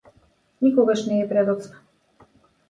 Никогаш не е предоцна.